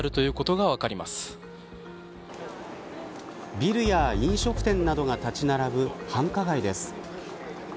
ビルや飲食店などが立ち並ぶ繁華街です。